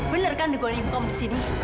bener kan dikoyak ibu kamu di sini